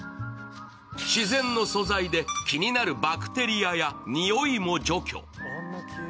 自然の素材で気になるバクテリアやにおいも除去。